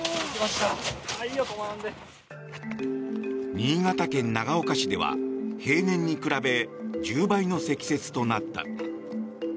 新潟県長岡市では平年に比べ１０倍の積雪となった。